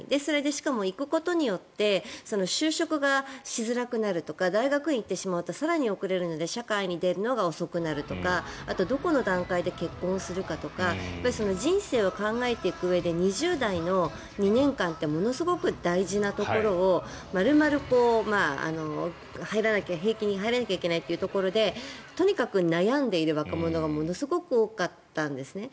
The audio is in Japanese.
しかも行くことによって就職がしづらくなるとか大学院に行ってしまうと更に遅れるので社会に出るのが遅くなるとかあとどこの段階で結婚するかとか人生を考えていくうえで２０代の２年間ってものすごく大事なところを丸々、兵役に入らなければいけないというところでとにかく悩んでいる若者がものすごく多かったんです。